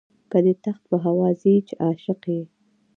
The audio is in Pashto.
که دي تخت په هوا ځي چې عاشق یې.